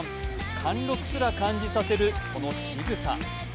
貫禄すら感じさせる、そのしぐさ。